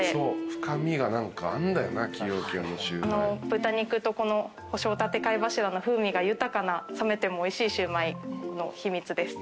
豚肉と干しホタテ貝柱の風味が豊かな冷めてもおいしいシウマイの秘密です。